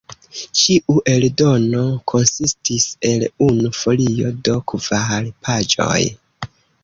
Ĉiu eldono konsistis el unu folio, do kvar paĝoj.